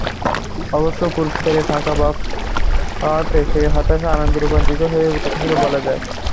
অবশ্য পুরস্কারে ফাঁকা বাক্স পাওয়াতে সেই হতাশা আনন্দে রূপান্তরিত হয়েছিল বলা যায়।